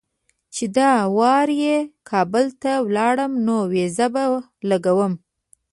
چې دا وار چې کابل ته لاړم نو ویزه به لګوم.